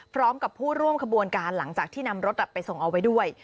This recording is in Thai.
พร้อมกับผู้ร่วมขบวนการหลังจากที่นำรถไปส่งเอาไว้ด้วย